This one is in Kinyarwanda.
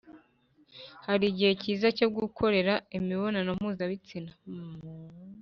hari igihe cyiza cyo gukorera imibonano mpuzabitsina.